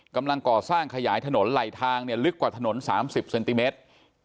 กำลังก่อสร้างขยายถนนไหลทางเนี่ยลึกกว่าถนน๓๐เซนติเมตร